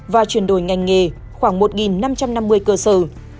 và chuyển đổi ngành nghề khoảng một năm trăm năm mươi cơ sở